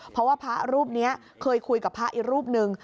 เพราะว่าพระรูปนี้เคยคุยกับพระอีกรูปหนึ่ง